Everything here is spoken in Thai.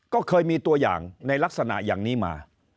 ก็เคยมีตัวอย่างในลักษณะอย่างนี้มา